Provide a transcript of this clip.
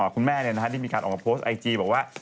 คุณแม่ได้มีการออกมาโพสต์ไอจีบอกว่า